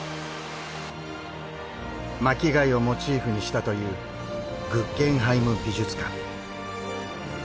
巻き貝をモチーフにしたという「グッゲンハイム美術館」。